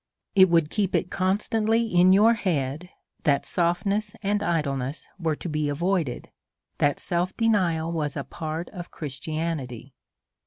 It would keep it constantly in your head, that softness and idleness were to be avoided, that self denial was a part of Christianity.